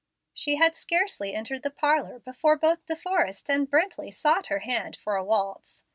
She had scarcely entered the parlor before both De Forrest and Brently sought her hand for a waltz.